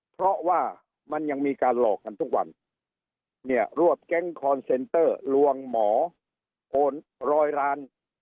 เพราะว่ามันยังมีการหลอกกันทุกวันเนี่ยรวบแก๊งคอนเซนเตอร์ลวงหมอโอนร้อยล้าน